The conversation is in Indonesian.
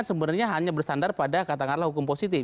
sementara ini kan bersandar pada kata karla hukum positif